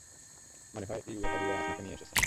মনে হয় ইউহাওয়া আপনাকে নিয়ে এসেছে।